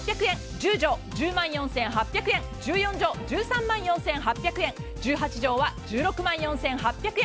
１０畳１０万４８００円１４畳１３万４８００円１８畳、１６万４８００円。